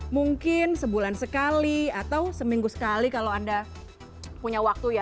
mungkin sebulan sekali atau seminggu sekali kalau anda punya waktu ya